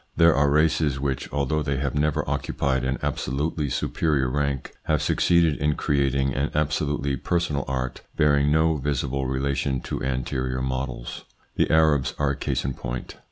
There are races which, although they have never occupied an absolutely superior rank, have succeeded in creating an absolutely personal art bearing no visible relation to anterior models. The Arabs are a case in point.